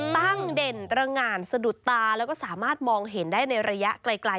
เด่นตรงานสะดุดตาแล้วก็สามารถมองเห็นได้ในระยะไกล